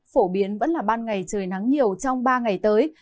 phổ biến vẫn là ban ngày trời nắng nhiều trong ba ngày tới